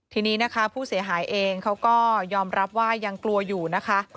ทีนี้นะคะผู้เสียหายเองเขาก็ยอมรับว่ายังกลัวอยู่นะคะ